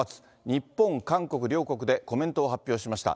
日本、韓国両国でコメントを発表しました。